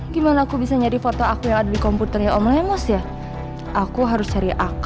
gimana aku bisa nyari foto aku yang ada di komputernya om lemos ya